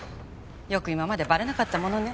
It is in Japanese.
よく今までバレなかったものね。